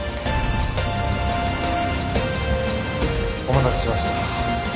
お待たせしました。